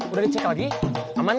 udah dicek lagi aman